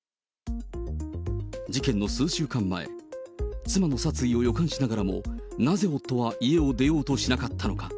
事件の数週間前、妻の殺意を予感しながらも、なぜ夫は家を出ようとしなかったのか。